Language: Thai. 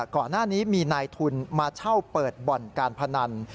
ก่อนหน้านี้มีนายทุนมาเช่าเปิดบ่อนการพนัน